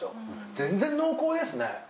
全然濃厚ですね。